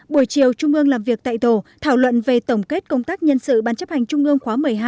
buổi chiều trung ương làm việc tại tổ thảo luận về tổng kết công tác nhân sự ban chấp hành trung ương khóa một mươi hai